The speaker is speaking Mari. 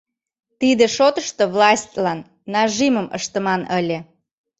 Тиде шотышто властьлан нажимым ыштыман ыле.